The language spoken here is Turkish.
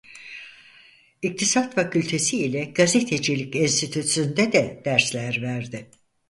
İktisat Fakültesi ile Gazetecilik Enstitüsü'nde de dersler verdi.